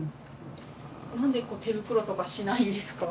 なんで手袋とかしないんですか？